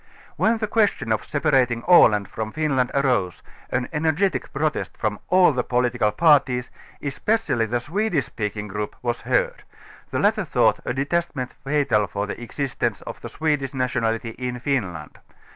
Wheiythe q^^estion of separating Aland from Finland arose^^:=├ĀiL_├ŖBefgetic protest from all the political parties, especially the Swedish speaking group, was heard; the latter thought a detachment fatal for the existense of the Swedish nationalit:\' in Finland.